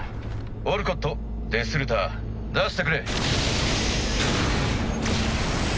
オルコットデスルター出してくれ。